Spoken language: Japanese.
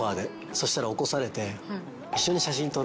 そしたら起こされて。